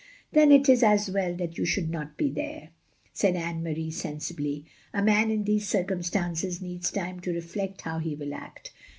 " "Then it is as well that you should not be there," said Anne Marie, sensibly. "A man in these circumstances needs time to reflect how he will act.